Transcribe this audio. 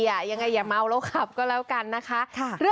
ยังไงอย่าเมาแล้วขับก็แล้วกันนะคะ